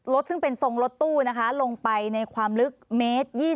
รถซึ่งเป็นทรงรถตู้ลงไปในความลึกเมตร๒๐